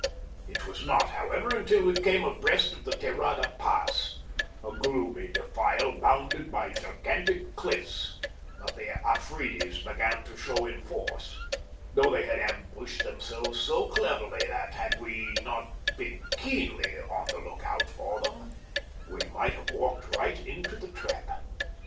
It was not, however, until we came abreast of the Terada Pass, a gloomy defile bounded by gigantic cliffs, that the Afridis began to show in force, though they had ambushed themselves so cleverly that, had we not been keenly on the look out for them, we might have walked right into the trap.